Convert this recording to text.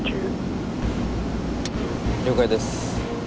了解です。